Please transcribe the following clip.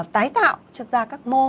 tái tạo cho ra các mô